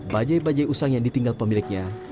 bajai bajai usang yang ditinggal pemiliknya